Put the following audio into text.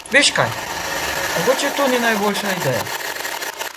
Veš kaj, mogoče to ni najboljša ideja.